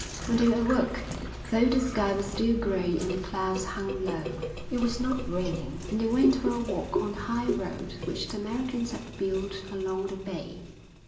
When they awoke, though the sky was still grey and the clouds hung low, it was not raining and they went for a walk on the high road which the Americans had built along the bay.